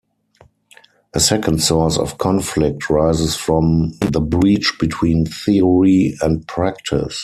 A second source of conflict rises from the breach between theory and practice.